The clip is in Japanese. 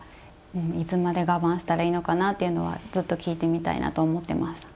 いつまで我慢したらいいのかなっていうのはずっと聞いてみたいなと思ってました。